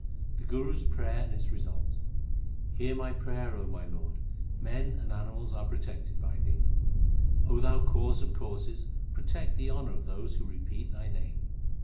The Guru s prayer and its result : Hear my prayer, O my Lord ; men and animals are protected by Thee. O Thou Cause of causes, protect the honour of those who repeat Thy name.